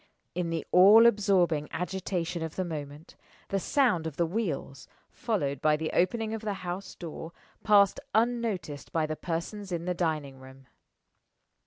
In the all absorbing agitation of the moment, the sound of the wheels (followed by the opening of the house door) passed unnoticed by the persons in the dining room.